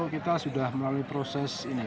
kita sudah melalui proses ini